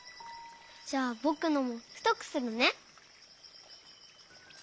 じゃあぼくのもふとくするね。